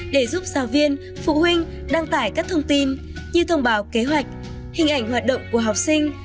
để giúp giáo viên phụ huynh đăng tải các thông tin như thông báo kế hoạch hình ảnh hoạt động của học sinh